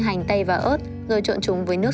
hành tây và ớt rồi trộn chúng với nước